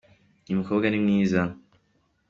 uyu mukobwa ni mwiza